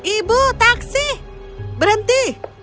ibu taksi berhenti